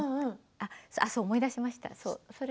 あ、そうそう思い出しました。